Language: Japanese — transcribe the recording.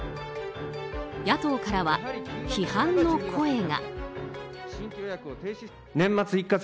野党からは批判の声が。